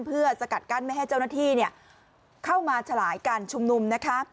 เพื่อสกัดกั้นไม่ให้เจ้าหน้าที่เข้ามาฉลายการชุมนุมนะคะ